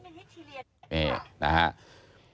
นี่นะครับ